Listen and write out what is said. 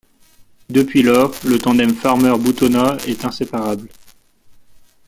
Depuis lors, le tandem Farmer-Boutonnat est inséparable.